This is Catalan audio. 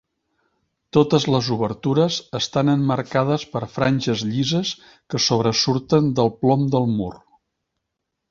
Totes les obertures estan emmarcades per franges llises que sobresurten del plom del mur.